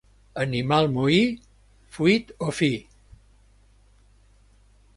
Animal moí, fuit o fi.